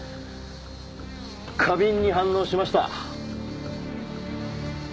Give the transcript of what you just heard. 過敏に反応しました。